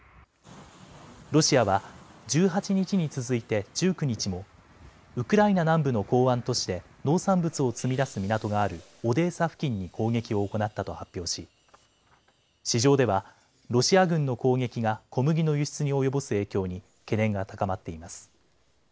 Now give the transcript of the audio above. ロシアは１８日に続いて１９日もウクライナ南部の港湾都市で農産物を積み出す港があるオデーサ付近に攻撃を行ったと発表し市場ではロシア軍の攻撃が小麦の輸出に及ぼす影響に懸念が高まっています。